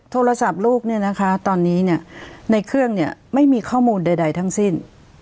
โทรศัพท์ลูกเนี่ยนะคะตอนนี้ในเครื่องเนี่ยไม่มีข้อมูลใดทั้งสิ้น